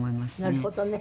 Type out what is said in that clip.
なるほどね。